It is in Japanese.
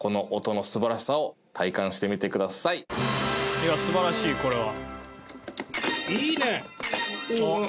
「」いや素晴らしいこれは。